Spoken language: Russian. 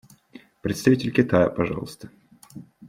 Представитель Китая, пожалуйста.